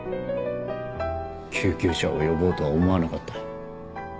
救急車を呼ぼうとは思わなかった？